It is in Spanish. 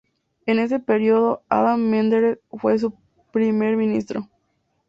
En ese período, Adnan Menderes fue su primer ministro.